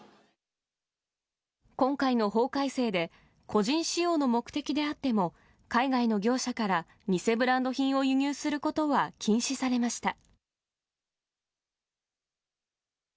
今回の法改正で、個人使用の目的であっても、海外の業者から偽ブランド品を輸入することは禁止されました。